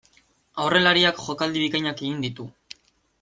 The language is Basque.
Aurrelariak jokaldi bikainak egin ditu.